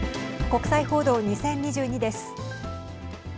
国際報道２０２２です。